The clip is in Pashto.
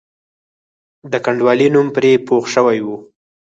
د کنډوالې نوم پرې پوخ شوی وو.